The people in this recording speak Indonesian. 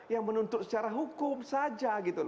yang menuntut secara hukum saja